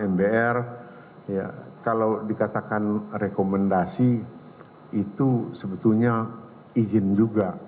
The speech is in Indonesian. mbr ya kalau dikatakan rekomendasi itu sebetulnya izin juga